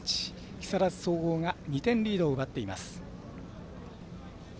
木更津総合が２点リードを奪っています。